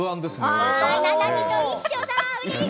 ななみと一緒だ。